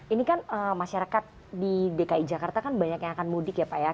ini kan masyarakat di dki jakarta kan banyak yang akan mudik ya pak ya